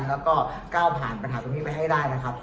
แล้วก็ก้าวผ่านปัญหาตรงนี้ไปให้ได้นะครับ